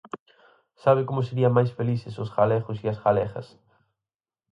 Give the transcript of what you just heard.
¿Sabe como serían máis felices os galegos e as galegas?